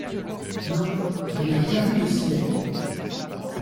Non, je n’ai rien vu de si laid !